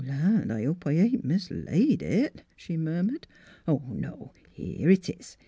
"Land! I hope I ain't mislaid it ..." she murmured. " No : here 'tis.